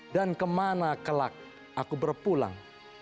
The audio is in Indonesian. dan kemana kelak aku berpulang